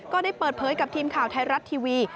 ก็ได้เปิดเผยกับทีมข่าวไทยรัฐทีวี